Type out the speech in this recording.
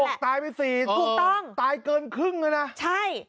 ตายไปสี่ถูกต้องตายเกินครึ่งเลยนะใช่